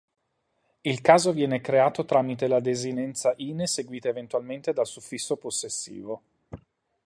Il caso viene creato tramite la desinenza "-ine-" seguita eventualmente dal suffisso possessivo.